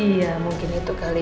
iya mungkin itu kali